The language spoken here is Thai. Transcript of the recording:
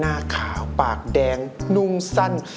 สามารถรับชมได้ทุกวัย